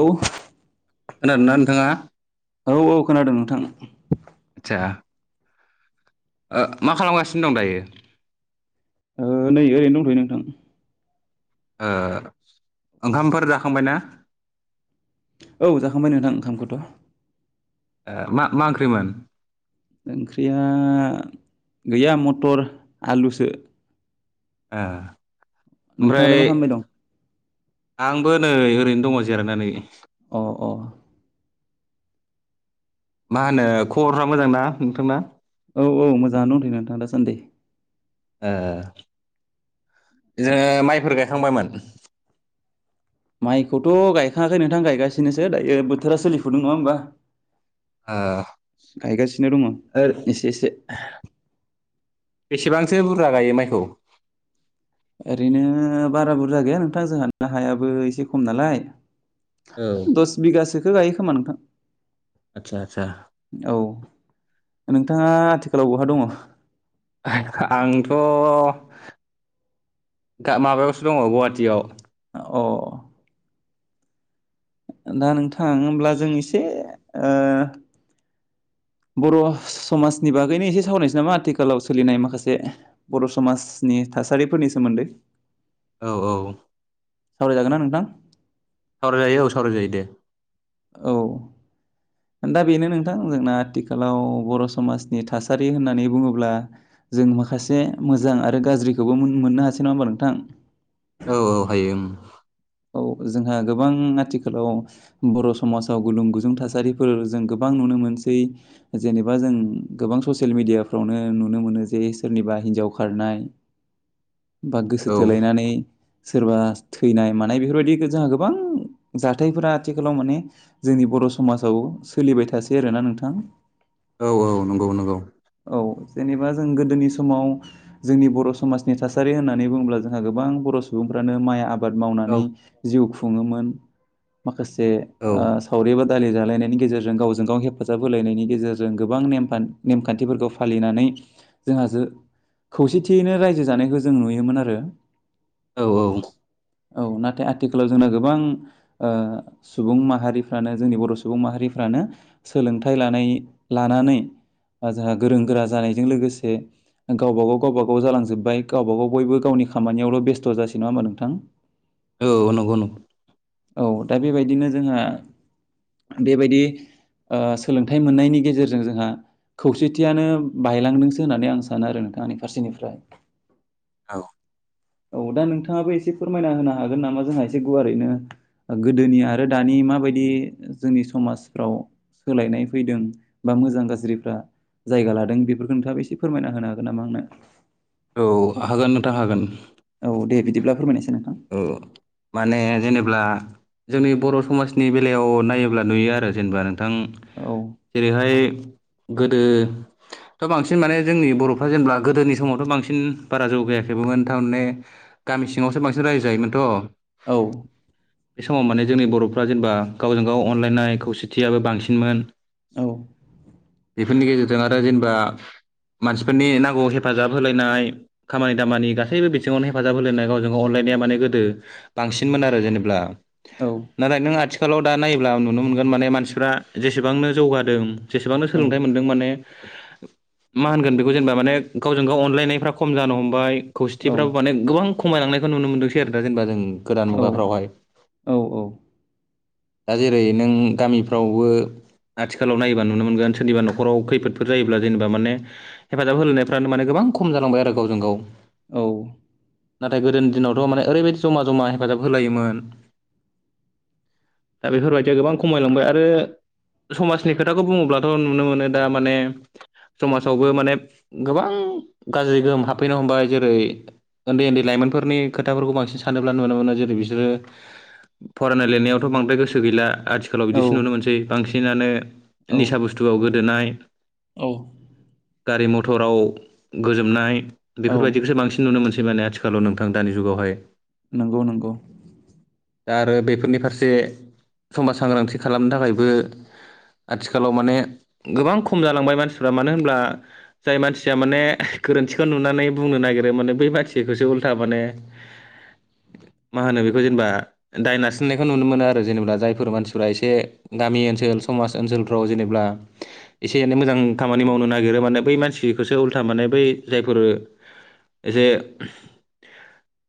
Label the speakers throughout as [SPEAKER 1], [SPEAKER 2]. [SPEAKER 1] औे ।
[SPEAKER 2] खोनादोंना नोंथाङा।
[SPEAKER 1] औ औ खोनादों नोंथां।
[SPEAKER 2] आतसा मा खालामगासिनो दं दायो?
[SPEAKER 1] नै ओरैनो दंथ'यो नोंथां।
[SPEAKER 2] ओंखामफोर जाखांबायना?
[SPEAKER 1] औ जाखांबाय नोंथां ओंखामखौथ'।
[SPEAKER 2] मा मा ओंख्रिमोन?
[SPEAKER 1] ओंख्रिया गैया मटर आलुसो।
[SPEAKER 2] ओमफ्राय
[SPEAKER 1] नोंथाङालाय मा खालामबाय दं
[SPEAKER 2] आंबो नै ओरैनो। दङ जिरायनानै।
[SPEAKER 1] अ अ।
[SPEAKER 2] मा होनो खबरफोरा मोजांना नोंथांना?
[SPEAKER 1] औ औ मोजाङानो दंथ'यो नोंथां दासान्दि।
[SPEAKER 2] ए जोङो माइफोर गायखांबायमोन।
[SPEAKER 1] माइखौथ' गायखाङाखै नोंथां गायगासिनोसो दायो बोथोरा सोलिफुदों नङा होमबा।
[SPEAKER 2] ओ
[SPEAKER 1] गायगासिनो दङ
[SPEAKER 2] ओ
[SPEAKER 1] एसे एसे।
[SPEAKER 2] बेसेबांसो बुरजा गायो माइखौ?
[SPEAKER 1] ओरैनो बारा बुरजा गैया नोंथां जोंहाना हायाबो एसे खम नालाय।
[SPEAKER 2] औ
[SPEAKER 1] दस बिगासोखौ गायो खोमा नोंथां।
[SPEAKER 2] आतसा आतसा।
[SPEAKER 1] औ नोंथाङा आथिखालाव बहा दङ?
[SPEAKER 2] आंथ'। दा माबायावसो दङ गुवाहाटियाव।
[SPEAKER 1] अ। दा नोंथां होमब्ला जों एसे बर' समाजनि बागैनो एसे सावरायनोसै नामा आथिखालाव सोलिनाय माखासे बर' समाजनि थासारिफोरनि सोमोन्दै।
[SPEAKER 2] औ औ।
[SPEAKER 1] सावराय जागोनना नोंथां।
[SPEAKER 2] सावरायजायो औ सावरायजायो दे।
[SPEAKER 1] औ। दा बेनो नोंथां जोंना आथिखालाव बर' समाजनि थासारि होननानै बुङोब्ला । जों माखासे मोजां आरो गाज्रिखौबो मोननो हासै नङा होनबा नोंथां।
[SPEAKER 2] औ औ हायो।
[SPEAKER 1] जोंहा गोबां आथिखालाव बर' समाजाव गुलुं गुजुं थासारिफोर जों गोबां नुनो मो मोनसै जेनेबा जों गोबां ससियेल मिडियाफ्रावनो नुनो मोनो जे सोरनिबा हिनजाव खारनाय गोसो
[SPEAKER 2] औ
[SPEAKER 1] थोलायनानै सोरबा थैनाय। थानाय बेफोरबायदिखौ जों गोबां जाथायफोरा आथिखालाव माने जोंनि बर समाजाव सोलिबाय थासै आरोना नोंथां
[SPEAKER 2] औ औ नंगौ नंगौ
[SPEAKER 1] औ जेनेबा जों गोदोनि समाव जोंनि बर‌ समाजनि थासारि होननानै बुङोब्ला जोंहा गोबां बर‌सुबुंफोर फ्रानो माइ आबाद
[SPEAKER 2] औ
[SPEAKER 1] मावनानै जिउ खुङोमोन माखासे
[SPEAKER 2] औ
[SPEAKER 1] ओ सावरि बाद दालि जालायनायनि गेजेरजों गावजों गाव हेफाजाब होलायनायनि गेजेरजों गोबां नेम खान्थि खान्थिफोरखौ फालिनानै जोंहासो खौसेथियैनो रायजो जानायखौ जों नुयोमोन आरो
[SPEAKER 2] औ औ
[SPEAKER 1] औ नाथाय आथिखालाव जोंना गोबां ओ सुबुं माहारिफ्रानो जोंनि बर सुबुं माहारि फ्रानो सोलोंथाय लानाय‌ लानानै आ जोंहा गोरों गोरा जानायजों लोगोसे गावबा गाव गावबा गाव जालांजोब्बाय गावबा गाव बयबो गावनि खामानियावल बेस्थ जासै नङा होमबा नोंथां
[SPEAKER 2] औ नंगौ नंगौ
[SPEAKER 1] औ दा बेबायदिनो जोंहा बेबायदि ओ सोलोंथाइ मोननायनि गेजेरजों जोंहा खौसेथियानो बायलांदोंसो होननानै आं सानो आरो नोंथां आंनि फारसेनिफ्राय
[SPEAKER 2] औ
[SPEAKER 1] औ दा नोंथाङाबो एसे फोरमायना होनो हागोन नामा जोंहा एसे गुवारैनो गोदोनि आरो दानि माबायदि बे जोंनि समाजफ्राव सोलायनाय फैदों बा मोजां गाज्रिफ्रा जायगा लादों बेफोरखौ नोंथाङाबो एसे फोरमायना होनो हागोन नामा आंनो
[SPEAKER 2] औ हागोन नोंथां हागोन
[SPEAKER 1] औ दे बिदिब्ला फोरमायनायसाय
[SPEAKER 2] औ माने जेनेब्ला जोंनि बर समाजनि बेलायाव नायोब्ला नुयो आरो जेनेबा नोंथां
[SPEAKER 1] औ
[SPEAKER 2] जेरैहाय गोदो दा बांसिन माने जोंनि बरफ्रा जेनेबा गोदोनि समावथ बांसिन बारा जौगायाखैबोमोन थारमाने गामि सिङावसो बांसिन रायजो जायोमोनथ
[SPEAKER 1] औ
[SPEAKER 2] बे समाव माने जोंनि बरफ्रा जेनेबा गावजों गाव अनलायनाय खौसेथियाबो बांसिनमोन
[SPEAKER 1] औ
[SPEAKER 2] बेफोरनि गेजेरजों आरो जेनेबा मानसिफोरनि नांगौ हेफाजाब होलायनाय खामानि दामानि गासैबो बिथिङावनो हेफाजाब होलायनाय गावजों गाव अनलायनाया माने गोदो बांसिनमोन आरो जेनेब्ला
[SPEAKER 1] औ
[SPEAKER 2] नाथाय नों आथि खालाव दा नायोब्ला नुनो मोनगोन माने मानसिफ्रा जेसेबांनो जौगादों जेसेबांनो
[SPEAKER 1] औ
[SPEAKER 2] सोलोंथाइ मोनदों माने मा होनगोन बेखौ जेनेबा माने गावजों गाव अनलायनायफ्रा खम जानो हमबाय
[SPEAKER 1] औ
[SPEAKER 2] खौसेथिफ्राबो माने गोबां खमायलांनायखौ नुनो मोनदोंसै आरो दा जेनेबा जोंबो गोदान
[SPEAKER 1] औ
[SPEAKER 2] मुगाफ्रावहाय
[SPEAKER 1] औ
[SPEAKER 2] दा जेरै नों गामिफ्रावबो आथिखालाव नायोबा नुनो मोनगोन सोरनिबा न'खराव खैफोदफोर जायोब्ला जेनेबा माने हेफाजाब होलायनायफ्रानो माने गोबां गोबां खम जालांबाय आरो गावजों गाव
[SPEAKER 1] औ
[SPEAKER 2] नाथाय गोदोनि दिनावथ माने ओरैबायदि जमा जमा हेफाजाब होलायोमोन। दा बेफोरबायदिया गोबां खमायलांबाय आरो समाजनि खोथाखौ बुङोब्लाथ नुनो मोनो दा माने समाजावबो माने गोबां गाज्रि गोहोम हाबफैनो हमबाय जेरै ओन्दै ओन्दै लाइमोनफोरनि खोथाफोरखौ बांसिन सानोब्ला नुनो मोनो जेरै बिसोरो फरायनाय लिरनायावथ बांद्राय गोसो गैला आथिखालाव बिदिसो नुनो मोनसै बांसिनानो
[SPEAKER 1] औ
[SPEAKER 2] निसा बुस्थुआव गोदोनाय
[SPEAKER 1] औ
[SPEAKER 2] गारि म थराव गोजोमनाय
[SPEAKER 1] औ
[SPEAKER 2] बेफोरबायदिखौसो बांसिन नुनो मोनसै माने आथिखालाव नोंथां दानि जुगावहाय
[SPEAKER 1] नंगौ नंगौ
[SPEAKER 2] दा आरो बेफोरनि फारसे समाज सांग्रांथि खालामनो थाखायबो आथिखालाव माने गोबां खम जालांबाय मानसिफ्रा मानो होनब्ला जाय मानसिया माने गोरोन्थिखौ नुनानै बुंनो नागिरो माने बै मानथिसिखौसो उल्था माने
[SPEAKER 1] [inaudible]
[SPEAKER 2] मा होनो बेखौ जेनेबा दाय नारसिननायखौ नुनो मोनो आरो जेनेबा जायफोर मानसिफ्रा एसे गामि ओनसोल सम माज ओनसोलफ्राव जेनेब्ला एसे एनै मोजां खामानि मावनो नागिरो माने बै मानसिखौसो उल्था माने बै जायफोर एसे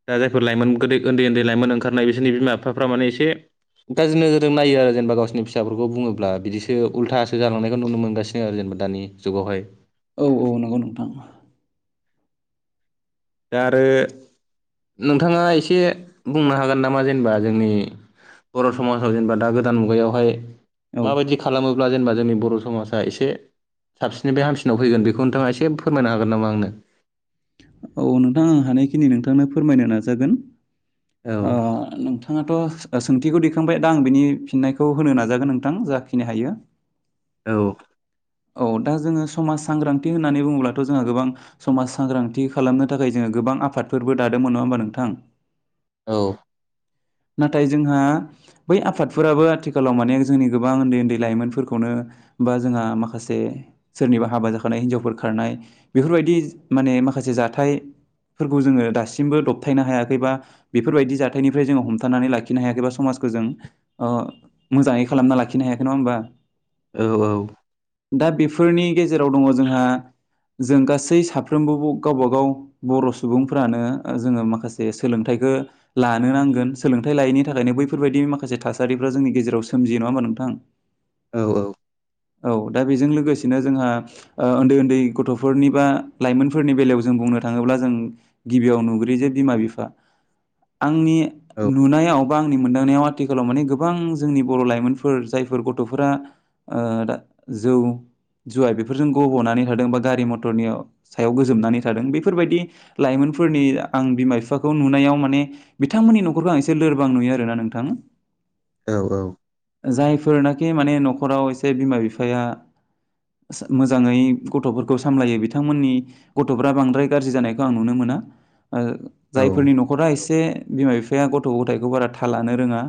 [SPEAKER 2] दा जायफोर लाइमोन गोदै उन्दै उन्दै लाइमोन ओंखारनाय बिसोरनि बिमा बिफाफ्रा माने एसे गाज्रि नोजोरजों नायो आरो जेनेबा गावसोरनि फिसाफोरखौ बुङोब्ला बिदिसो उल्थासो जालांनायखौ नुनो मोनगासिनो आरो जेनेबा। दानि जुगावहाय।
[SPEAKER 1] औ औ नंगौ नोंथां।
[SPEAKER 2] दा आरो नोंथाङा एसे बुंनो हागोन नामा जेनेबा जोंनि बर समाजाव जेनेबा दा गोदान मुगायावहाय
[SPEAKER 1] औ
[SPEAKER 2] माबायदि खालामो ब्ला जेनेबा जोंनि बर समाजा एसे साबसिननिफ्राय हामसिनाव फैगोन बेखौ नोंथाङा एसे फोरमायनो हागोन नामा आंनो?
[SPEAKER 1] औ नोंथां आं हानायखिनि नोंथांनो फोरमायनो नाजागोन।
[SPEAKER 2] औ
[SPEAKER 1] ओ-नोंथाङाथ सोंथि दैखांबाय दा आं बिनि फिननायखौ होनो नाजागोन नोंथां जाखिनि हायो।
[SPEAKER 2] औ
[SPEAKER 1] औ दा जोङो समाज सांग्रांथि होननानै बुङोब्लाथ जोंहा गोबां समाज सांग्रांथि खालामनो थाखाय जोङो गोब गोबां आफादफोरबो दादोंमोन नङा होमबा नोंथां?
[SPEAKER 2] औ
[SPEAKER 1] [inaudible] नाथाय जोंहा बै आफादफोराबो आथिखालाव माने जोंनि गोबां उन्दै उन्दै लाइमोनफोरखौनो बा जोंहा मा माखासे सोरनिबा हाबा जाखानाय हिनजावफोर खारनाय बेफोरबायदि माने माखासे जाथाय फोरबो जोङो दासिमबो दबथायनो हायाखै बा बेफोरबायदि जाथायनिफ्राय जोङो हमथानानै लाखिनो हायाखै बा समाज जों मोजाङै खालामना लाखिनो हायाखै नङा होमबा?
[SPEAKER 2] औ औ
[SPEAKER 1] दा बेफोरनि गेजेराव दङ जोंहा जों गासै साफ्रोमबो ब-गावबागाव बर सुबुंफ्रानो जोङो माखासे सोलोंथाइ लानो नांगोन सोलोंथाइ लायैनि थाखायनो बैफोरबायदि माखासे थासारिफ्रा जोंनि गेजेराव सोमजियो नङा [unintelligible]
[SPEAKER 2] औ औ
[SPEAKER 1] औ दा बेजों लोगोसेनो जोंहा उन्दै उन्दै गथफोरनि बा लाइमोनफोरनि बेलायाव जों बुंनो थाङोब्ला जों गिबियाव नुग्रो जे बिमा बिफा आंनि
[SPEAKER 2] औ
[SPEAKER 1] नुनायाव बा आंनि मोनदांनायाव आथिखालाव माने गोबां जोंनि बर लाइमोनफोर जायफोर गथफोरा ओ-द जौ जुवा बेफोरजों गबनानै थादों बा गारि मथरनि सायाव गोजोमनानै थादों बेफोरबायदि लाइमोन फोरनि आं बिमा बिफाखौ नुनायाव माने बिथांमोननि नखरखौ आं एसे लोरबां नुयो आरोना नोंथां।
[SPEAKER 2] औ औ
[SPEAKER 1] जायफोरनाखि माने नखराव एसे बिमा बिफाया मोजाङै गथफोरखौ सामलायो बिथांमोननि गथफ्रा बांद्राय गाज्रि जानायखौ आं नुनो मो ओ जायफोरनि नखरा एसे बिमा बिफाया गथ गथायखौ बारा थाललानो रोङा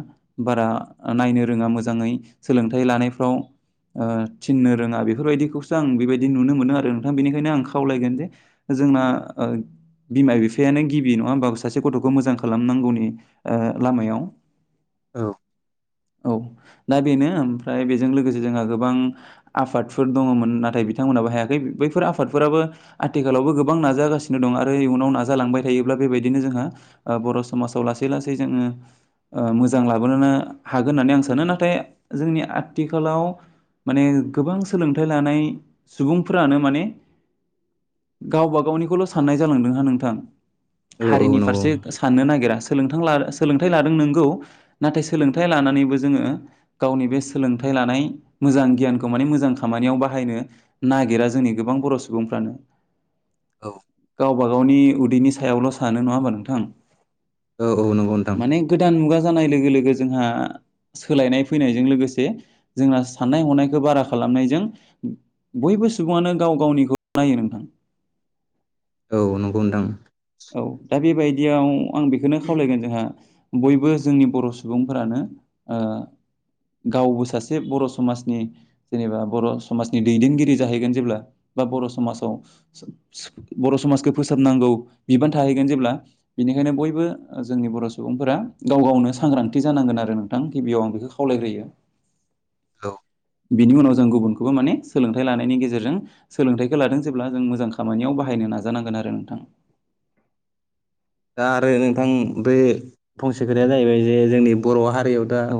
[SPEAKER 1] बारा नायनो रोङा मोजाङै सोलोंथाइ थाय लानायफ्राव ओ-थिननो रोङा बेफोरबायदिखौसो आं बेबायदि नुनो मोनदों आरो नोंथां बेनिखायनो आं खावलायगोन जे जों ना ओ बिमा बिफायानो गिबि नङा होमबाबो सासे गथखौ मोजां खालामनांगौनि ओ लामायाव।
[SPEAKER 2] औ
[SPEAKER 1] औ दा बेनो ओमफ्राय बेजों लोगोसे जोंना गोबां आफादफोर दङमोन नाथाय बिथांमोनाबो हायाखै बैफोर आफादफोराबो आथिखालावबो गोबां। गोबां नाजागासिनो दं आरो इयुनाव नाजालांबाय थायोब्ला बेबायदिनो जोंहा ओ-बर समाजाव लासै लासै जों ओ मोजां लाबोनोनो हागोन होननानै आं सानो नाथाय जोंनि आथिखालाव। माने गोबां सोलोंथाइ लानाय सुबुंफोरानो माने। गावबाागावनिखौल साननाय जालांदोंहा नोंथां।
[SPEAKER 2] औ औ
[SPEAKER 1] हारिनि
[SPEAKER 2] नंगौ
[SPEAKER 1] फारसे साननो नागिरा। सोलोंथां ला सोलोंथाइ लादों नोंगौ नाथाय सोलोंथाइ लानानैबो जोंङो गावनि बे सोलोंथाइ लानाय मोजां गियानखौ माने मोजां खामानियाव बाहायनो नागिरा जोंनि गोबां बर' सुबुंफ्रानो
[SPEAKER 2] औ
[SPEAKER 1] गावबा गावनि उदैनि सायावल' सानो नंङा होमबा नोंथां
[SPEAKER 2] औ औ नोंगौ नोंथां
[SPEAKER 1] माने गोदान मुगा जानाय लोगो लोगो जोंहा सोलायनाय फैनायजों लोगोसे जोंहा साननाय हनायखो बारा खालामनायजों बयबो सुबुङानो गाव गावनिखौ नायो नोंथां [inaudible]
[SPEAKER 2] औ नंगौ नोंथां
[SPEAKER 1] औ दा बेबायदियाव आं बेखोनो खावलायगोन जोंहा बयबो जोंनि बर' सुबुंफोरानो ओ गावबो सासे बर' समाजनि जेनेबा बर' समाजनि दैदेनगिरि जाहैगोन जेब्ला बा बर' समाजाव बर' समाजखो फोसाबनांगौ बिबान थाहैगोन जेब्ला बिनिखायनो बयबो ओ जोंनि बर' सुबुंफोरा गाव गावनो सांग्रांथि जानांगोन आ रो नोंथां गिबियाव आं बेखो खावलायग्रोयो
[SPEAKER 2] औ
[SPEAKER 1] बिनि उनाव जों गुबुनखौबो माने सोलोंथाइ लानायनि गेजेरजों सोलोंथाइखो लादों जेब्ला जों मोजां खामानियाव बाहायनो नाजानांगोन आरो नोंथां
[SPEAKER 2] दा आरो नोंथां बे फंसे खोथाया जाहैबाय जे जोंनि बर' हारियाव दा
[SPEAKER 1] औ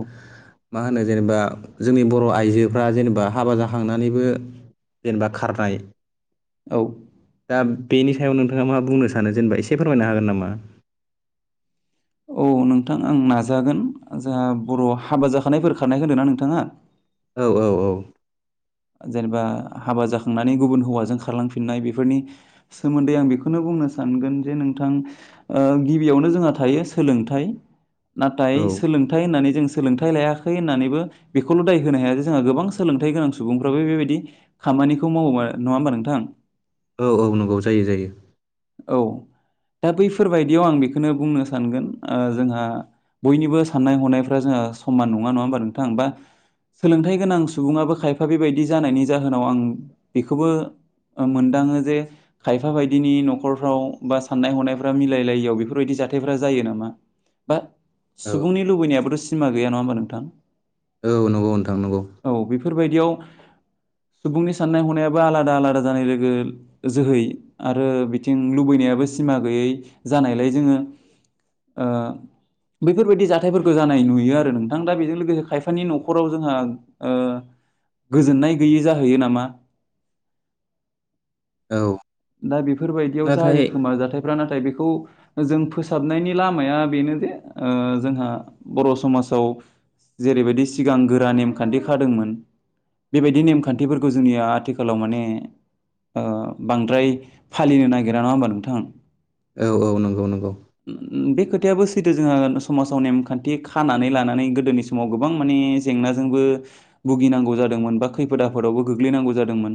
[SPEAKER 2] मा होनो जेनेबा जोंनि बर' आइजोफ्रा जेनेबा हाबा जाखांनानैबो जेनेबा खारनाय
[SPEAKER 1] औ
[SPEAKER 2] दा बेनि सायाव नोंथाङा मा बुंनो सानो जेनेबा एसे फोरमायनो हागोन नामा। [inaudible]
[SPEAKER 1] औ नोंथां आं नाजागोन जोंहा बर' हाबा जाखानायफोर खारनायखो होनदों ना नोंथाङा
[SPEAKER 2] औ औ औ
[SPEAKER 1] जेनेबा हाबा जाखांनानै गुबुन हौवाजों खारलांफिननाय बेफोरनि सोमोन्दै आं बिखोनो बुं नो सानगोन जे नोंथां ओ गिबियावनो जोंहा थायो सोलोंथाइ नाथाय
[SPEAKER 2] औ
[SPEAKER 1] सोलोंथाइ होननानै जों सोलोंथाइ लायाखै होननानैबो बेखौल' दाय होनो हाया जे जोंहा गोबां सोलोंथाइ गोनां सुबुंफ्राबो बेबायदि खामानिखौ मावो नंङा होमबा नोंथां
[SPEAKER 2] औ औ नंगौ जायो जायो
[SPEAKER 1] औ दा बैफोरबायदियाव आं बिखोनो बुंनो सानगोन ओ जोंहा बयनिबो साननाय हनायफ्रा जोंहा ओ समान नंङा नंङा होमबा नोंथां बा सोलोंथाइ गोनां सुबुंङाबो खायफा बेबायदि जानायनि जाहोनाव आं बेखौबो ओ मोनदाङो जे खायफा बायदिनि न खरफ्राव बा साननाय हनायफ्रा मिलायलायियाव बेफोरबायदि जाथायफ्रा जायो नामा बा
[SPEAKER 2] औ
[SPEAKER 1] सुबुंनि लुबैनायाबोथ' सिमा गैया नंङा होमबा नोंथां
[SPEAKER 2] औ नंगौ नोंथां नंगौ
[SPEAKER 1] औ बेफोरबायदियाव सुबुंनि साननाय हनायाबो आलादा-आलादा जानाय लोगो जोहै आरो बिथिं लुबैनायाबो सिमा गैयै जानायलाय जोंङो ओ बेैफोरबायदि जाथायफोरखौ जानाय नुयो आरो नोंथां दा बेजों लोगोसे खायफानि न'खराव जोंहा गोजोननाय गैयि जाहैयो नामा
[SPEAKER 2] औ
[SPEAKER 1] दा बेफोरबायदियाव
[SPEAKER 2] नाथाय
[SPEAKER 1] जायो खोमा जाथायफ्रा नाथाय बे खौ जों फोसाबनायनि लामाया बेनोदि जोंहा बर' समाजाव जेरैबायदि सिगां गोरा नेमखान्थि खादोंमोन बेबायदि नेमखान्थिफोरखौ जोंनिया आथिखालाव माने ओ बांद्राय फालिनो नागिरा नङा ओमबा नोंथां?
[SPEAKER 2] औ औ नंगौ नंगौ।
[SPEAKER 1] बे खोथायाबो सैथो जोंहा समाजाव नेमखान्थि खानानै लानानै गोदोनि समाव गोबां माने जेंना जोंबो भुगिनांगौ जादोंमोन बा खैफोद आफोदावबो गोग्लैनांगौ जादोंमोन।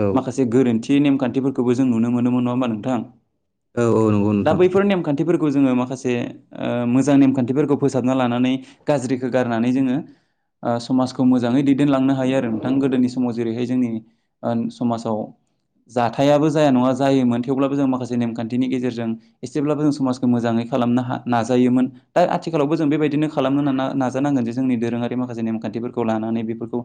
[SPEAKER 2] औ
[SPEAKER 1] माखासे गोरोन्थि नेमखान्थिफोरखौबो जों नुनो मोनोमोन नङा ओमबा नोंथां।
[SPEAKER 2] औ औ नंगौ
[SPEAKER 1] दा
[SPEAKER 2] नोंथां
[SPEAKER 1] बैफोर नेमखान्थिफोर खौ जोङो माखासे मोजां नेमखान्थिफोरखौ फोसाबना लानानै गाज्रिखौ गारनानै जोङो समाजखौ मोजाङै दैदेनलांनो हायो आरो नोंथां गोदोनि समाव जेरैहाय जोंनि समाजाव जाथायाबो जाया नङा जायोमोन थेवब्लाबो जों माखासे नेमखान्थिनि गेजेरजों एसेब्लाबो जों समाजखौ मोजाङै खालामनो नाजायोमोन दा आथिखालावबो जों बेबायदिनो खालामनो नाजानांगोन जे जोंनि दोरोङारि माखासे नेमखा न्थिफोरखौ लानानै बेफोरखौ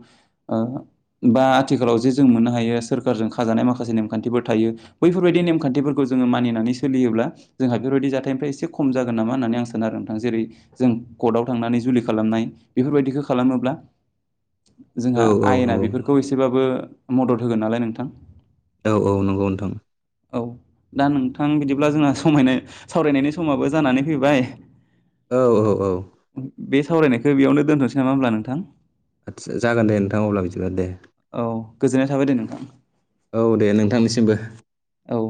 [SPEAKER 1] बा आथिखालाव जे जों मोननो हायो सोरखारजों खाजानाय मा खासे नेमखान्थिफोर थायो बैफोरबायदि नेमखान्थिफोरखौ जोङो मानिनानै सोलियोब्ला जोंहा बेफोरबायदि जाथायनिफ्राय एसे खम जागोन नामा होननानै आं सानो आरो नोंथां जेरै जों कर्टआव थांनानै जुलि खालामनाय बेफोरबायदिखौ खालामोब्ला जोंहा
[SPEAKER 2] औ औ
[SPEAKER 1] आयेना
[SPEAKER 2] नंगौ
[SPEAKER 1] बेफोरखौ एसेबाबो मदद होगोन नालाय नोंथां।
[SPEAKER 2] औ औ नंगौ नोंथां।
[SPEAKER 1] औ दा नोंथां बिदिब्ला जोंहा समायनाय सावरायनायनि समाबो जानानै फैबाय।
[SPEAKER 2] औ औ औ
[SPEAKER 1] बे सावरायनायखौ बेयावनो दोनथ'नोसै नामा होनब्ला नोंथां?
[SPEAKER 2] आदसा जागोन दे नोंथां अब्ला बिदिब्ला दे ।
[SPEAKER 1] औ गोजोननाय थाबाय दे नोंथां।
[SPEAKER 2] औ दे नोंथांनिसिमबो ।
[SPEAKER 1] औ